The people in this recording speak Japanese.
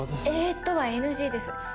「えっと」はＮＧです。